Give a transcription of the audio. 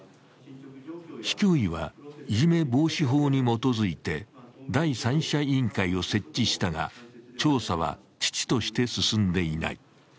市教委は、いじめ防止法に基づいて第三者委員会を設置したが調査は遅々として進んでいない。